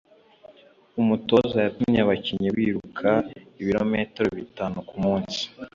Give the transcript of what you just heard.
Umutoza yatumye abakinnyi biruka ibirometero bitanu kumunsi